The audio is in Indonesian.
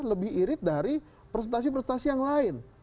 lebih irit dari presentasi presentasi yang lain